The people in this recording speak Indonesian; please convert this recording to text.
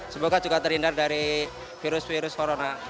semoga juga terhindar dari virus covid sembilan belas